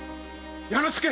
弥之助！